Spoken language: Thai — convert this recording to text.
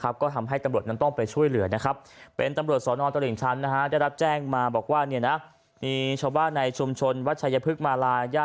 บ้านเนี่ยเนี่ยเป็นอาคารแบบนี้ก็ถูกตัวให้